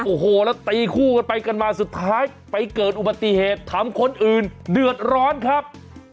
โอ้โหแล้วตีคู่กันไปกันมาสุดท้ายไปเกิดอุบัติเหตุทำคนอื่นเดือดร้อนครับ